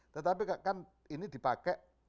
tetapi kan ini dipakai